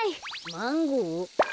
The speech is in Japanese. マンゴー？